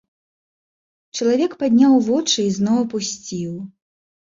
Чалавек падняў вочы і зноў апусціў.